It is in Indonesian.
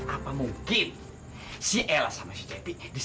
apa mungkin si ella sama si cepi disini